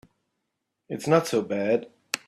It's not so bad.